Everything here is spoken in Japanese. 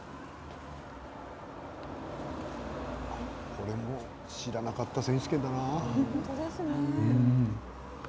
これも「知らなかった選手権」だな。